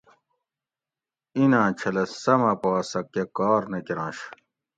ایناں چھلہ سمہ پا سہ کہ کار نہ کرنش